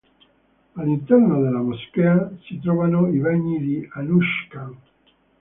All'interno della moschea si trovano i bagni di Anush-khan.